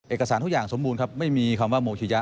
เอกสารทุกอย่างสมบูรณ์ครับไม่มีคำว่าโมชิยะ